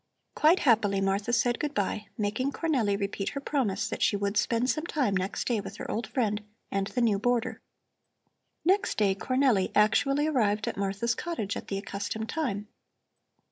Quite happily Martha said good bye, making Cornelli repeat her promise that she would spend some time next day with her old friend and the new boarder. Next day Cornelli actually arrived at Martha's cottage at the accustomed time.